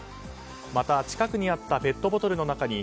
また近くにあったペットボトルの中に